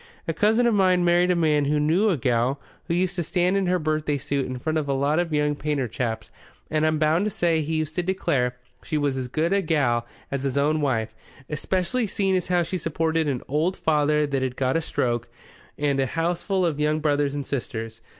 "A cousin of mine married a man who knew a gal who used to stand in her birthday suit in front of a lot of young painter chaps and I'm bound to say he used to declare she was as good a gal as his own wife, especially seeing as how she supported an old father what had got a stroke, and a houseful of young brothers and sisters.